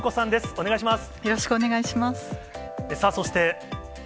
お願いします。